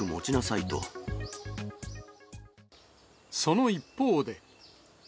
その一方で。